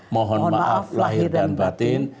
mohon maaf lahir dan batin